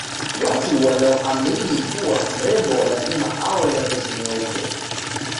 watu wanaoamini kuwa mrembo lazima uwe na ngozi nyeupe